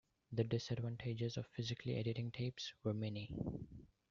The disadvantages of physically editing tapes were many.